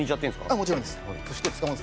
もちろんです。